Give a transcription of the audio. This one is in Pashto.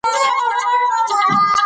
تاسې ولې خپل تاریخ هېروئ؟